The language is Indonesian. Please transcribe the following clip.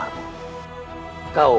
aku ingin mencarimu